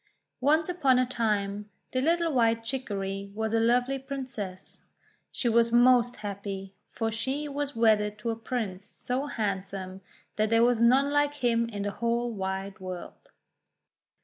Once upon a time, the little White Chicory was a lovely Princess. She was most happy, for she was wedded to a Prince so handsome that there was none like him in the .whole wide world.